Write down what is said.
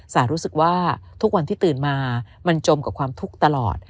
สารู้สึกว่าทุกวันที่ตื่นมามันจมกับความทุกข์ตลอด